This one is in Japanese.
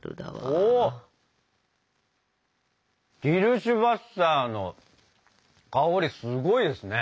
おキルシュヴァッサーの香りすごいですね。